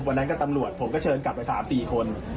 วันนั้นก็ตำรวจผมก็เชิญกลับไป๓๔คน